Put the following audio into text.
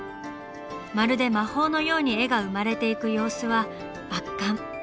まるで魔法のように絵が生まれていく様子は圧巻。